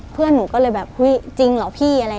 เพื่อนหนูก็เลยแบบจริงเหรอพี่